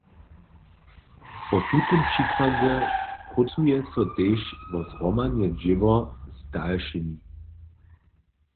Po tutym přikładźe prócuje so tež wo zhromadne dźěło z dalšimi.